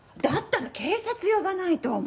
だったら警察呼ばないと！